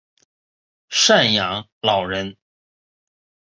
赡养老人